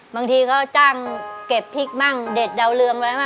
บางทีเขาจ้างเก็บพริกบ้างเด็ดเดาเรือง